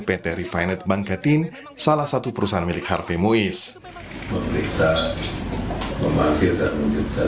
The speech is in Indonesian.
pt refinet bangkatin salah satu perusahaan milik harvey moise memeriksa memanggil dan menginspir